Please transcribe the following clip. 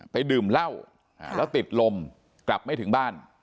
ดื่มเหล้าแล้วติดลมกลับไม่ถึงบ้าน